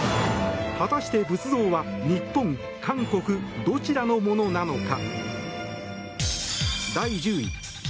果たして仏像は日本、韓国どちらのものなのか。